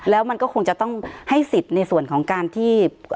แล้วมันก็คงจะต้องให้สิทธิ์ในส่วนของการที่